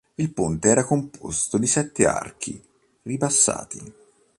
Il ponte era composto di sette archi ribassati.